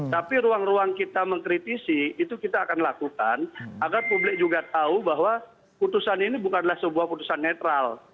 tapi ruang ruang kita mengkritisi itu kita akan lakukan agar publik juga tahu bahwa putusan ini bukanlah sebuah putusan netral